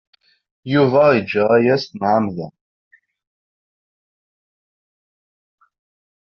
Yuba iga aya s tmeɛmada.